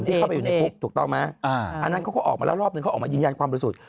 เข้าไปอยู่ในคุกถูกต้องไหมอันนั้นเขาก็ออกมาแล้วรอบนึงเขาออกมายืนยันความบริสุทธิ์